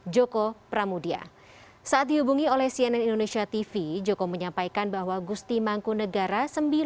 joko pramudia saat dihubungi oleh cnn indonesia tv joko menyampaikan bahwa gusti mangkunegara